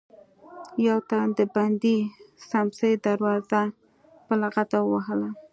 يو تن د بندې سمڅې دروازه په لغته ووهله.